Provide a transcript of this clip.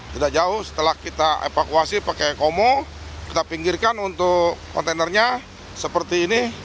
tidak jauh setelah kita evakuasi pakai komo kita pinggirkan untuk kontainernya seperti ini